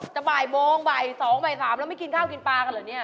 บ่ายโมงบ่าย๒บ่าย๓แล้วไม่กินข้าวกินปลากันเหรอเนี่ย